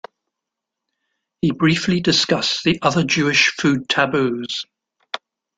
He briefly discuss the other Jewish food taboos.